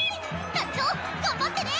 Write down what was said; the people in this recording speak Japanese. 団長頑張ってね。